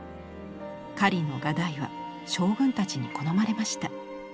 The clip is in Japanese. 狩りの画題は将軍たちに好まれました。